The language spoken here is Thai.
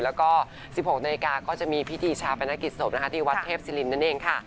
แล้วก็๑๖นก็จะมีพิธีชาวพนักกิจศพที่วัดเทพศิลป์นั่นเองค่ะ